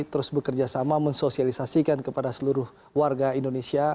terus bekerja sama mensosialisasikan kepada seluruh warga indonesia